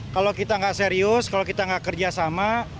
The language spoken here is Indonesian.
kalau kita nggak serius kalau kita nggak kerjasama